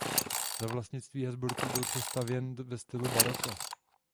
Za vlastnictví Habsburků byl přestavěn ve stylu baroka.